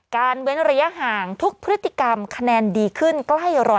เว้นระยะห่างทุกพฤติกรรมคะแนนดีขึ้นใกล้๑๐๐